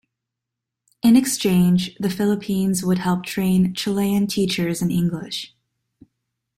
In exchange, the Philippines would help train Chilean teachers in English.